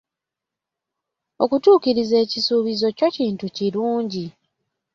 Okutuukiriza ekisuubizo kyo kintu kirungi.